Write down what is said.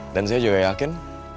dan saya juga yakin